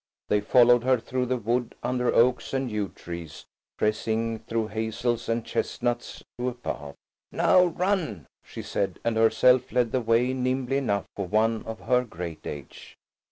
They followed her through the wood under oaks and yew trees, pressing through hazels and chestnuts to a path. "Now run!" she said, and herself led the way nimbly enough for one of her great age.